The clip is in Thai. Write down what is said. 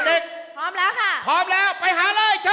พร้อมแล้วค่ะพร้อมแล้วไปหาเลย